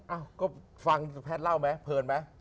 อ้าวก็ฟังสุแพทย์เล่าไหมเพลินไหม